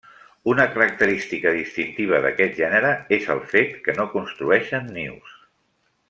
Una característica distintiva d'aquest gènere és el fet que no construeixen nius.